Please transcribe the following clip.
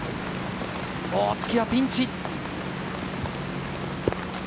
大槻はピンチ。